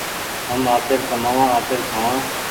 هم آپير ڪمآوآ آپير کآوان